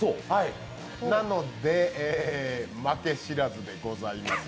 なので、負け知らずでございます。